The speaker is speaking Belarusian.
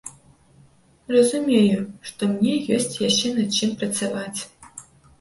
Разумею, што мне ёсць яшчэ над чым працаваць.